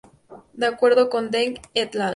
De acuerdo con Deng "et al".